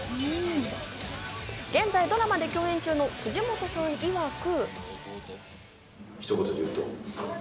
現在ドラマで共演中の藤本さんいわく。